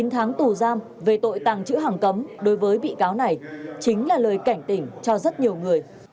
chín tháng tù giam về tội tàng chữ hàng cấm đối với bị cáo này chính là lời cảnh tỉnh cho rất nhiều người